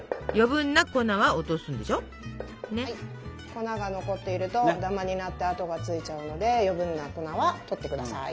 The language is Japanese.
粉が残っているとダマになって跡がついちゃうので余計な粉はとってください。